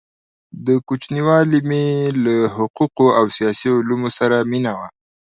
د كوچنیوالي مي له حقو قو او سیاسي علومو سره مینه وه؛